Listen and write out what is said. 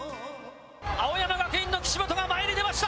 青山学院の岸本が前に出ました。